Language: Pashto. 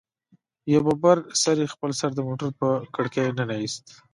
يوه ببر سري خپل سر د موټر په کړکۍ ننه ايست.